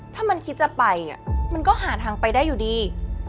ถ้ามันคิดจะไปมันก็หาทางไปได้อยู่ดี